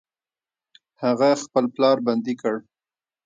هغه خپل پلار بندي کړ.